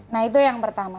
nah itu yang pertama